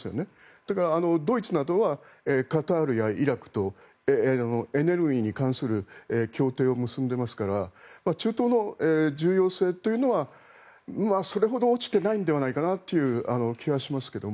だから、ドイツなどはカタールやイラクとエネルギーに関する協定を結んでいますから中東の重要性というのはそれほど落ちてないのではという気がしますが。